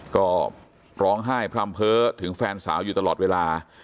ก็ร้องไห้พร่ำเพ้อถึงแฟนสาวอยู่ตลอดเวลา